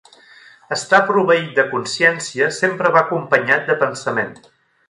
Estar proveït de consciència sempre va acompanyat de pensament.